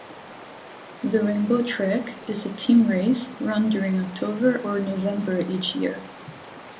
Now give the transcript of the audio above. The Rainbow Trek is a team race run during October or November each year.